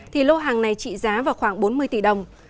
thì lô hàng này trị giá vào khoảng bốn mươi tỷ đồng